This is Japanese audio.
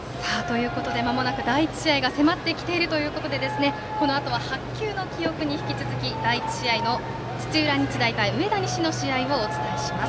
まもなく第１試合が迫ってきているということでこのあとは白球の記憶に引き続き第１試合の土浦日大対上田西の試合をお伝えします。